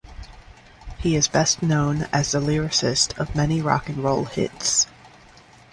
He is best known as the lyricist of many rock and roll hits.